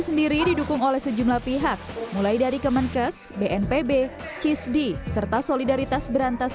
sendiri didukung oleh sejumlah pihak mulai dari kemenkes bnpb cisdi serta solidaritas berantas